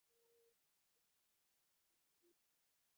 প্রাসাদে বোধ করি অনেক লোক।